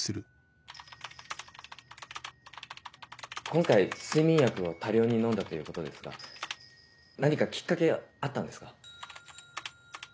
今回睡眠薬を多量に飲んだということですが何かきっかけあったんですか？